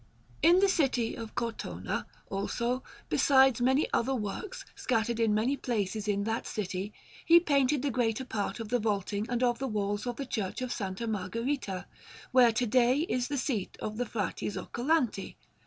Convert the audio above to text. In the city of Cortona, also, besides many other works scattered in many places in that city, he painted the greater part of the vaulting and of the walls of the Church of S. Margherita, where to day is the seat of the Frati Zoccolanti.